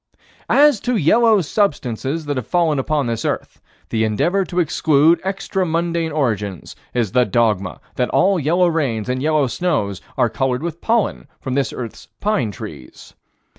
As to yellow substances that have fallen upon this earth, the endeavor to exclude extra mundane origins is the dogma that all yellow rains and yellow snows are colored with pollen from this earth's pine trees.